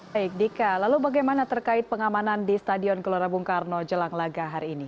baik dika lalu bagaimana terkait pengamanan di stadion gelora bung karno jelang laga hari ini